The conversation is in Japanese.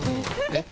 えっ⁉